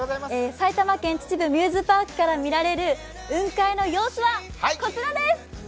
埼玉県秩父ミューズパークから見られる雲海の様子はこちらです！